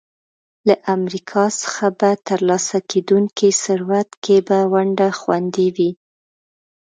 له امریکا څخه په ترلاسه کېدونکي ثروت کې به ونډه خوندي وي.